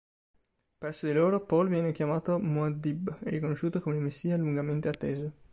Presso di loro, Paul viene chiamato Muad'dib, e riconosciuto come il messia lungamente atteso.